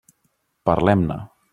Parlem-ne.